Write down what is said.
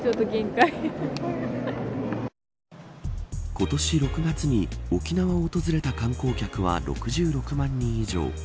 今年６月に沖縄を訪れた観光客は６６万人以上。